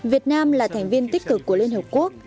việt nam là thành viên tích cực của liên hợp quốc